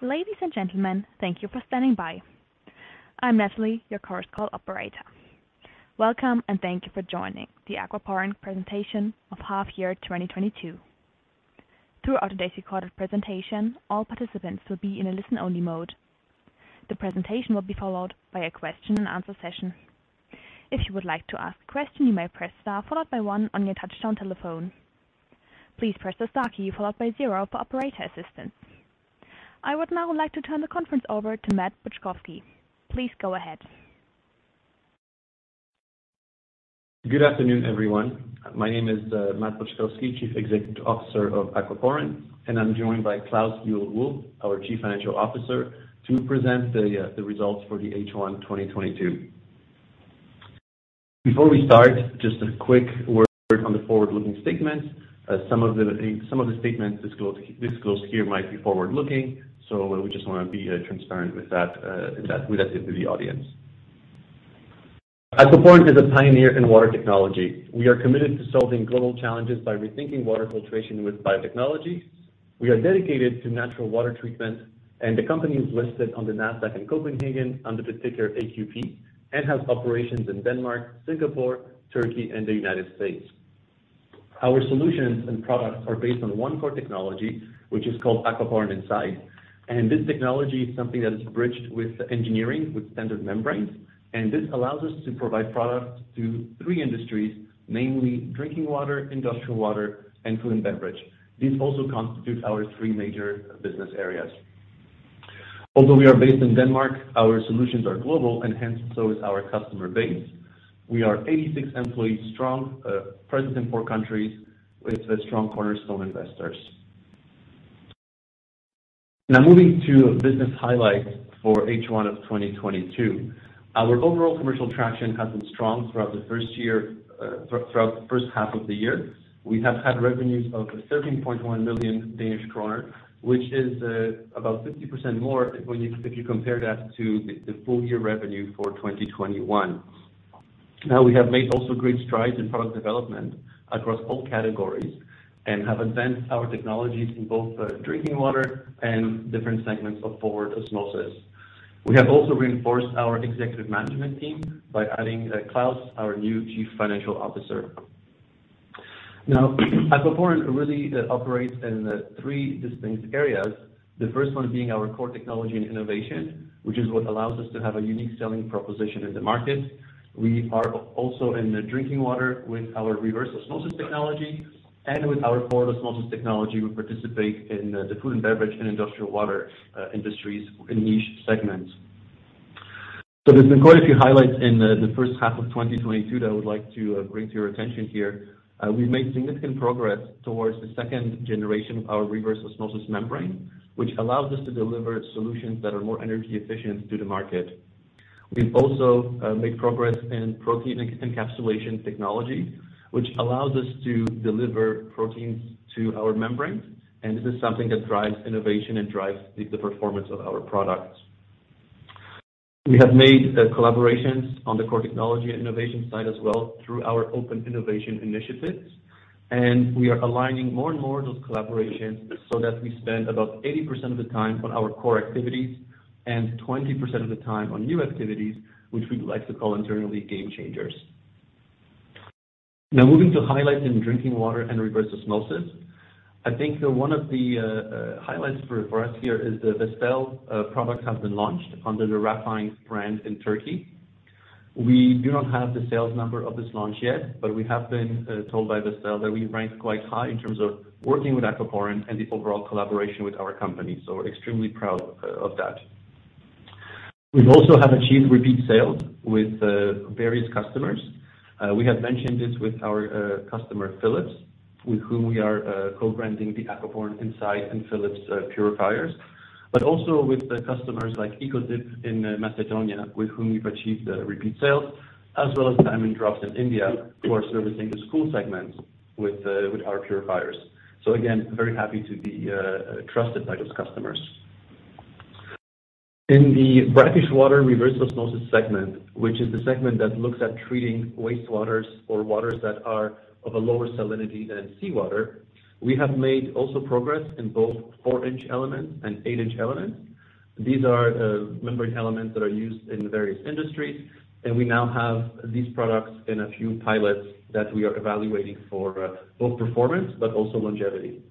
Ladies and gentlemen, thank you for standing by. I'm Natalie, your current call operator. Welcome and thank you for joining the Aquaporin presentation of half year 2022. Throughout today's recorded presentation, all participants will be in a listen-only mode. The presentation will be followed by a question and answer session. If you would like to ask a question, you may press star followed by one on your touchtone telephone. Please press the star key followed by zero for operator assistance. I would now like to turn the conference over to Matt Boczkowski. Please go ahead. Good afternoon, everyone. My name is Matt Boczkowski, Chief Executive Officer of Aquaporin, and I'm joined by Klaus Juhl Wulff, our Chief Financial Officer, to present the results for the H1 2022. Before we start, just a quick word on the forward-looking statements. Some of the statements discussed here might be forward-looking. We just wanna be transparent with that with the audience. Aquaporin is a pioneer in water technology. We are committed to solving global challenges by rethinking water filtration with biotechnology. We are dedicated to natural water treatment, and the company is listed on the Nasdaq Copenhagen under the ticker AQP, and has operations in Denmark, Singapore, Turkey, and the United States. Our solutions and products are based on one core technology, which is called Aquaporin Inside. This technology is something that is bridged with engineering, with standard membranes, and this allows us to provide products to three industries, namely Drinking Water, Industrial Water, and Food & Beverage. These also constitute our three major business areas. Although we are based in Denmark, our solutions are global and hence so is our customer base. We are 86 employees strong, present in four countries with strong cornerstone investors. Now moving to business highlights for H1 of 2022. Our overall commercial traction has been strong throughout the first year, throughout the first half of the year. We have had revenues of 13.1 million Danish kroner, which is about 50% more if you compare that to the full-year revenue for 2021. Now we have made also great strides in product development across all categories and have advanced our technologies in both, Drinking Water and different segments of forward osmosis. We have also reinforced our executive management team by adding, Klaus Juhl Wulff, our new Chief Financial Officer. Now Aquaporin really operates in, three distinct areas. The first one being our core technology and innovation, which is what allows us to have a unique selling proposition in the market. We are also in the Drinking Water with our reverse osmosis technology and with our forward osmosis technology. We participate in, the Food & Beverage and Industrial Water, industries in niche segments. There's been quite a few highlights in the first half of 2022 that I would like to bring to your attention here. We've made significant progress towards the 2nd generation of our reverse osmosis membrane, which allows us to deliver solutions that are more energy efficient to the market. We've also made progress in protein encapsulation technology, which allows us to deliver proteins to our membranes. This is something that drives innovation and drives the performance of our products. We have made collaborations on the core technology and innovation side as well through our open innovation initiatives. We are aligning more and more of those collaborations so that we spend about 80% of the time on our core activities and 20% of the time on new activities, which we like to call internally game changers. Now moving to highlights in Drinking Water and reverse osmosis. I think one of the highlights for us here is the Vestel product has been launched under the Rafine brand in Turkey. We do not have the sales number of this launch yet, but we have been told by Vestel that we rank quite high in terms of working with Aquaporin and the overall collaboration with our company. We're extremely proud of that. We've also have achieved repeat sales with various customers. We have mentioned this with our customer Philips, with whom we are co-branding the Aquaporin Inside in Philips purifiers, but also with the customers like Ecotip in Macedonia, with whom we've achieved repeat sales, as well as Diamond Drops in India, who are servicing the school segments with our purifiers. Again, very happy to be trusted by those customers. In the brackish water reverse osmosis segment, which is the segment that looks at treating wastewaters or waters that are of a lower salinity than seawater. We have made also progress in both four-inch elements and eight-inch elements. These are membrane elements that are used in various industries, and we now have these products in a few pilots that we are evaluating for both performance but also longevity.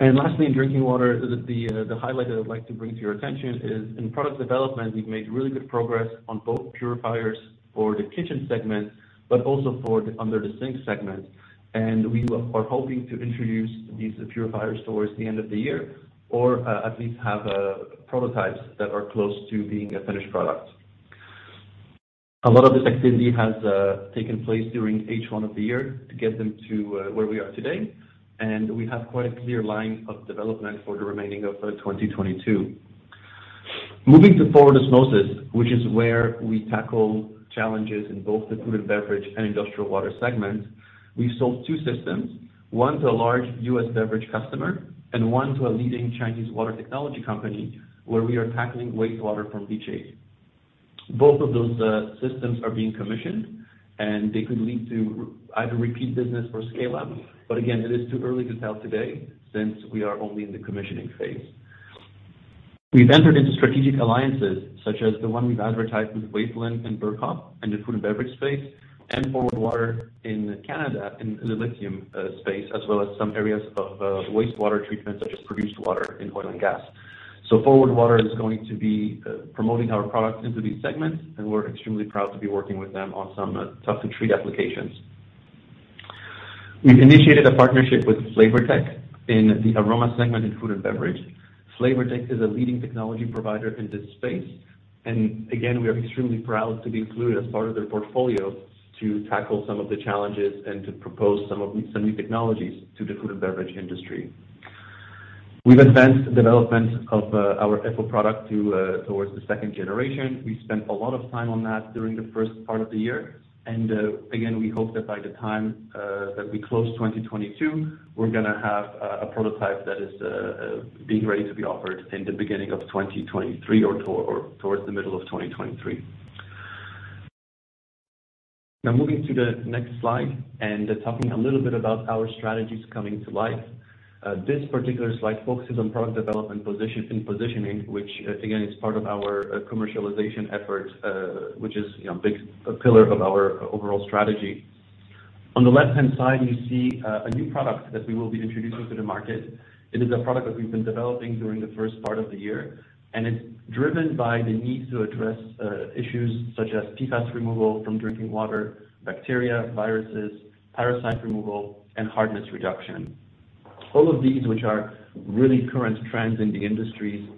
Lastly, in Drinking Water, the highlight that I'd like to bring to your attention is in product development, we've made really good progress on both purifiers for the kitchen segment, but also for the under the sink segment. We are hoping to introduce these purifiers towards the end of the year or at least have prototypes that are close to being a finished product. A lot of this activity has taken place during H1 of the year to get them to where we are today, and we have quite a clear line of development for the remaining of 2022. Moving to forward osmosis, which is where we tackle challenges in both the Food & Beverage and Industrial Water segment. We sold two systems, one to a large U.S. beverage customer and one to a leading Chinese water technology company where we are tackling wastewater from leachates. Both of those systems are being commissioned and they could lead to either repeat business or scale up. Again, it is too early to tell today since we are only in the commissioning phase. We've entered into strategic alliances such as the one we've advertised with Wafilin and Berghof in the Food & Beverage space, and Forward Water in Canada in the lithium space, as well as some areas of wastewater treatment such as produced water in oil and gas. Forward Water is going to be promoting our products into these segments, and we're extremely proud to be working with them on some tough-to-treat applications. We've initiated a partnership with Flavourtech in the aroma segment in Food & Beverage. Flavourtech is a leading technology provider in this space, and again, we are extremely proud to be included as part of their portfolio to tackle some of the challenges and to propose some of these new technologies to the Food & Beverage industry. We've advanced development of our FO product towards the 2nd generation. We spent a lot of time on that during the first part of the year, and again, we hope that by the time that we close 2022, we're gonna have a prototype that is being ready to be offered in the beginning of 2023 or towards the middle of 2023. Now moving to the next slide and talking a little bit about our strategies coming to life. This particular slide focuses on product development positioning, which again, is part of our commercialization efforts, which is, you know, a big pillar of our overall strategy. On the left-hand side, you see a new product that we will be introducing to the market. It is a product that we've been developing during the first part of the year, and it's driven by the need to address issues such as PFAS removal from Drinking Water, bacteria, viruses, parasite removal, and hardness reduction. All of these which are really current trends in the industry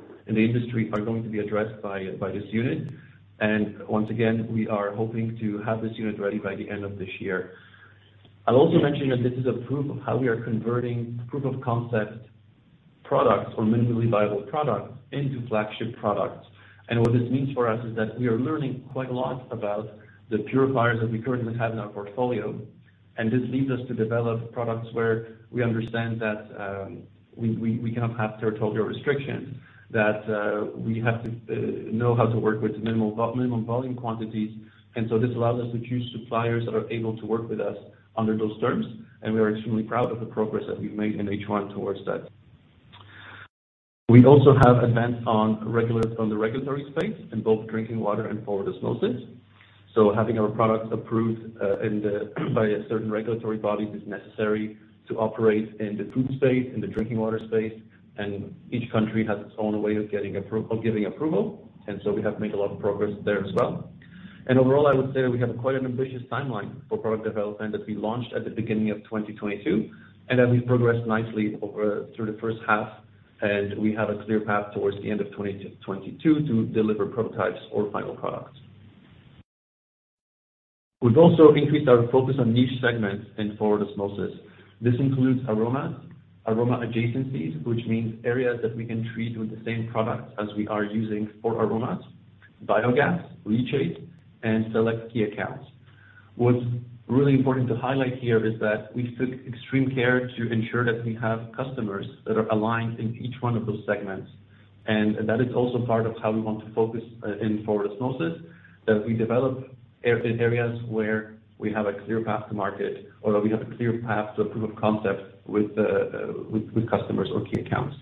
are going to be addressed by this unit. Once again, we are hoping to have this unit ready by the end of this year. I'll also mention that this is a proof of how we are converting proof of concept products or minimally viable products into flagship products. What this means for us is that we are learning quite a lot about the purifiers that we currently have in our portfolio. This leads us to develop products where we understand that we cannot have territorial restrictions, that we have to know how to work with minimum volume quantities. This allows us to choose suppliers that are able to work with us under those terms, and we are extremely proud of the progress that we've made in H1 towards that. We also have advanced on the regulatory space in both Drinking Water and forward osmosis. Having our products approved by certain regulatory bodies is necessary to operate in the food space, in the Drinking Water space, and each country has its own way of giving approval. We have made a lot of progress there as well. Overall, I would say we have quite an ambitious timeline for product development that we launched at the beginning of 2022, and that we've progressed nicely over the first half, and we have a clear path towards the end of 2022 to deliver prototypes or final products. We've also increased our focus on niche segments in forward osmosis. This includes aroma adjacencies, which means areas that we can treat with the same products as we are using for aromas, biogas, leachate, and select key accounts. What's really important to highlight here is that we took extreme care to ensure that we have customers that are aligned in each one of those segments. That is also part of how we want to focus in forward osmosis, that we develop areas where we have a clear path to market, or we have a clear path to proof of concept with customers or key accounts.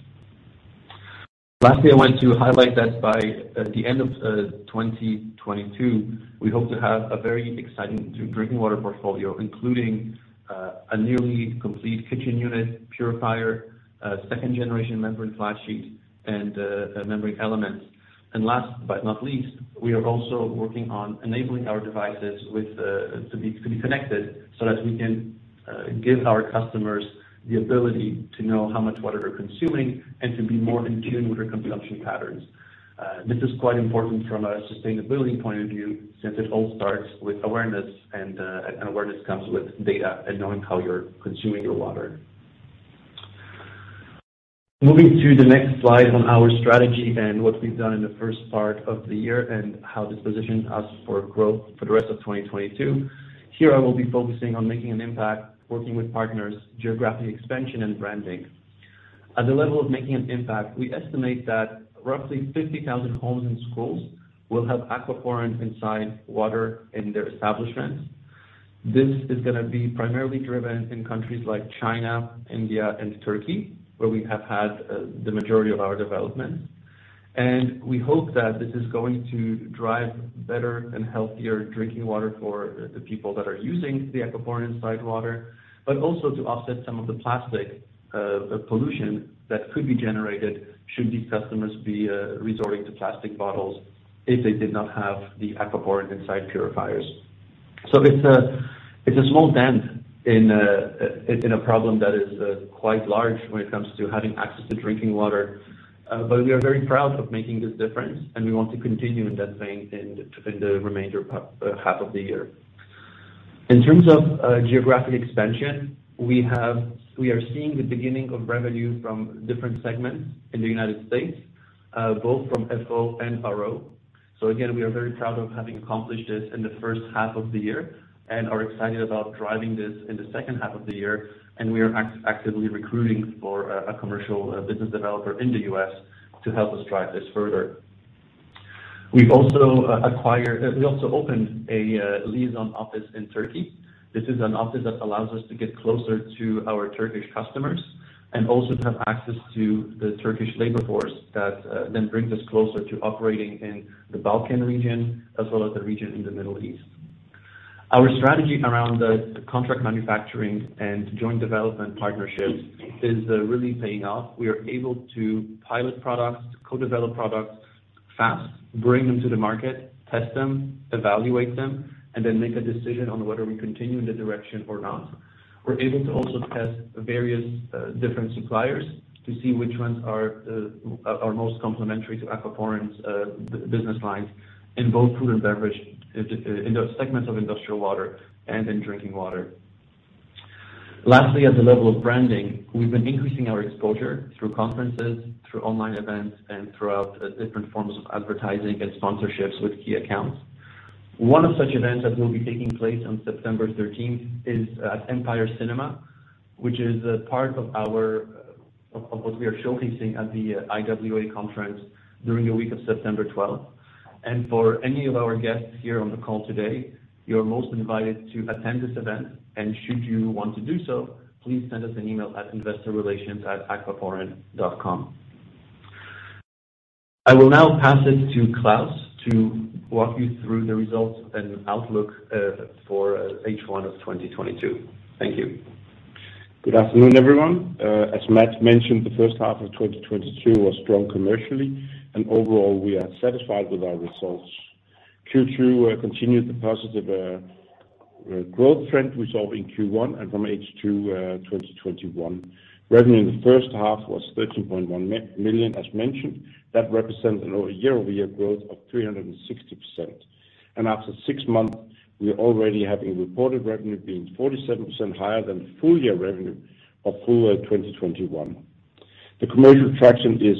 Lastly, I want to highlight that by the end of 2022, we hope to have a very exciting Drinking Water portfolio, including a nearly complete kitchen unit purifier, a 2nd-generation membrane flat sheet, and a membrane element. Last but not least, we are also working on enabling our devices with to be connected so that we can give our customers the ability to know how much water they're consuming and to be more in tune with their consumption patterns. This is quite important from a sustainability point of view since it all starts with awareness and awareness comes with data and knowing how you're consuming your water. Moving to the next slide on our strategy and what we've done in the first part of the year and how this positions us for growth for the rest of 2022. Here I will be focusing on making an impact, working with partners, geographic expansion, and branding. At the level of making an impact, we estimate that roughly 50,000 homes and schools will have Aquaporin Inside water in their establishments. This is gonna be primarily driven in countries like China, India, and Turkey, where we have had the majority of our development. We hope that this is going to drive better and healthier Drinking Water for the people that are using the Aquaporin Inside water, but also to offset some of the plastic pollution that could be generated should these customers be resorting to plastic bottles if they did not have the Aquaporin Inside purifiers. It's a small dent in a problem that is quite large when it comes to having access to Drinking Water. We are very proud of making this difference, and we want to continue in that vein in the remainder half of the year. In terms of geographic expansion, we are seeing the beginning of revenue from different segments in the United States, both from FO and RO. Again, we are very proud of having accomplished this in the first half of the year and are excited about driving this in the second half of the year. We are actively recruiting for a commercial business developer in the U.S. to help us drive this further. We also opened a liaison office in Turkey. This is an office that allows us to get closer to our Turkish customers and also to have access to the Turkish labor force that then brings us closer to operating in the Balkan region as well as the region in the Middle East. Our strategy around the contract manufacturing and joint development partnerships is really paying off. We are able to pilot products, co-develop products fast, bring them to the market, test them, evaluate them, and then make a decision on whether we continue in the direction or not. We're able to also test various different suppliers to see which ones are most complementary to Aquaporin's business lines in both Food & Beverage in the segments of Industrial Water and in Drinking Water. Lastly, at the level of branding, we've been increasing our exposure through conferences, through online events, and throughout different forms of advertising and sponsorships with key accounts. One of such events that will be taking place on September 13 is at Empire Cinema, which is a part of what we are showcasing at the IWA conference during the week of September 12. For any of our guests here on the call today, you're most invited to attend this event. Should you want to do so, please send us an email at investorrelations@aquaporin.com. I will now pass it to Klaus to walk you through the results and outlook for H1 of 2022. Thank you. Good afternoon, everyone. As Matt mentioned, the first half of 2022 was strong commercially, and overall, we are satisfied with our results. Q2 continued the positive growth trend we saw in Q1 and from H2 2021. Revenue in the first half was 13.1 million, as mentioned. That represents a year-over-year growth of 360%. After six months, we already have a reported revenue being 47% higher than full-year revenue of full year 2021. The commercial traction is,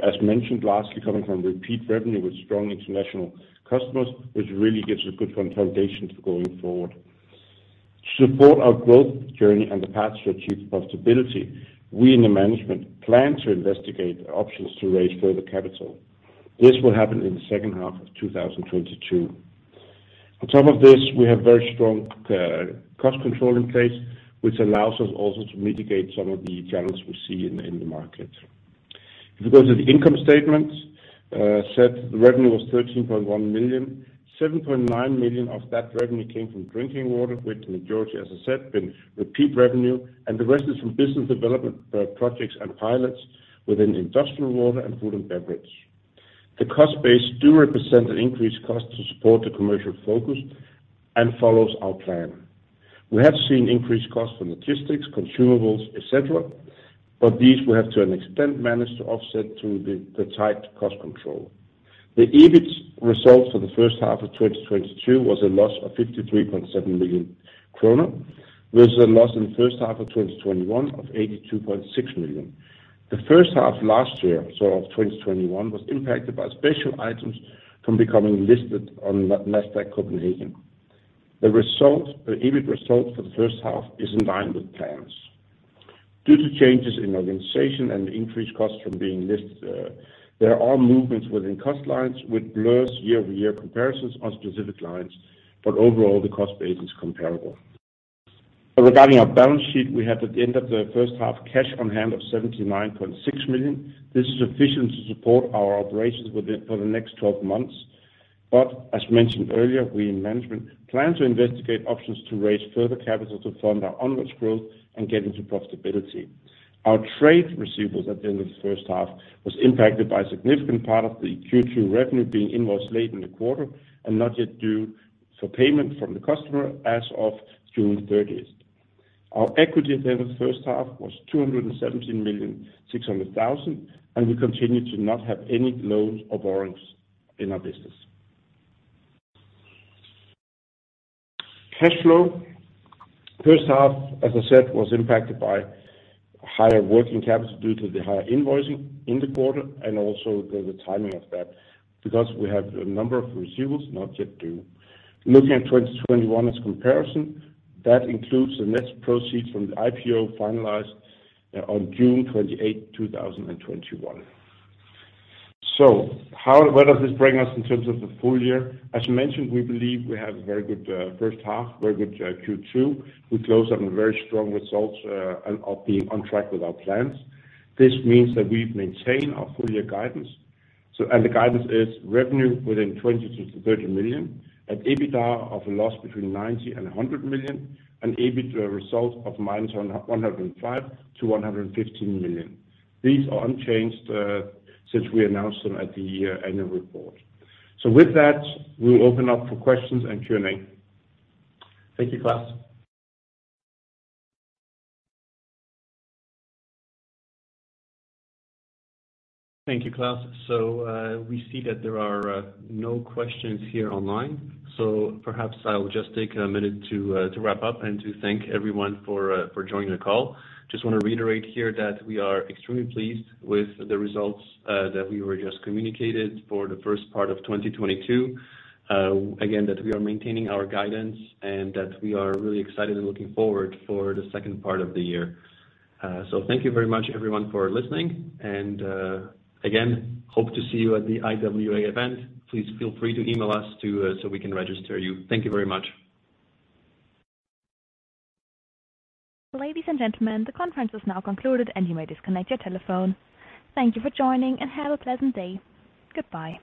as mentioned lastly, coming from repeat revenue with strong international customers, which really gives a good foundation for going forward. To support our growth journey and the path to achieve profitability, we in the management plan to investigate options to raise further capital. This will happen in the second half of 2022. On top of this, we have very strong cost control in place, which allows us also to mitigate some of the challenges we see in the market. If you go to the income statement, as I said, the revenue was 13.1 million. 7.9 million of that revenue came from Drinking Water, with the majority, as I said, being repeat revenue, and the rest is from business development projects and pilots within Industrial Water and Food & Beverage. The cost base do represent an increased cost to support the commercial focus and follows our plan. We have seen increased costs for logistics, consumables, et cetera, but these we have to an extent managed to offset through the tight cost control. The EBIT result for the first half of 2022 was a loss of 53.7 million kroner, with a loss in the first half of 2021 of 82.6 million. The first half last year, so of 2021, was impacted by special items from becoming listed on Nasdaq Copenhagen. The result, the EBIT result for the first half is in line with plans. Due to changes in organization and increased costs from being listed, there are movements within cost lines, which blurs year-over-year comparisons on specific lines, but overall the cost base is comparable. Regarding our balance sheet, we had at the end of the first half cash on hand of 79.6 million. This is sufficient to support our operations with it for the next 12 months. As mentioned earlier, we in management plan to investigate options to raise further capital to fund our onwards growth and get into profitability. Our trade receivables at the end of the first half was impacted by a significant part of the Q2 revenue being invoiced late in the quarter and not yet due for payment from the customer as of June 30. Our equity at the end of the first half was 217.6 million, and we continue to not have any loans or borrowings in our business. Cash flow, first half, as I said, was impacted by higher working capital due to the higher invoicing in the quarter and also the timing of that because we have a number of receivables not yet due. Looking at 2021 as comparison, that includes the net proceeds from the IPO finalized on June 28, 2021. Where does this bring us in terms of the full year? As mentioned, we believe we have a very good first half, very good Q2. We close on very strong results of being on track with our plans. This means that we maintain our full year guidance. The guidance is revenue within 20 million-30 million and EBITDA of a loss between 90 million-100 million, and EBIT, a result of -105 million to -115 million. These are unchanged since we announced them at the annual report. With that, we'll open up for questions and Q&A. Thank you, Klaus. We see that there are no questions here online, so perhaps I'll just take a minute to wrap up and to thank everyone for joining the call. Just wanna reiterate here that we are extremely pleased with the results that we were just communicated for the first part of 2022. Again, that we are maintaining our guidance and that we are really excited and looking forward for the second part of the year. So thank you very much everyone for listening and, again, hope to see you at the IWA event. Please feel free to email us to so we can register you. Thank you very much. Ladies and gentlemen, the conference is now concluded, and you may disconnect your telephone. Thank you for joining, and have a pleasant day. Goodbye.